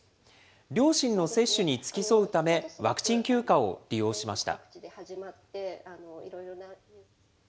両親の接種に付き添うため、ワクチン休暇を利用しました。